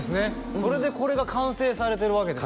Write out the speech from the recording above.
それでこれが完成されてるわけですね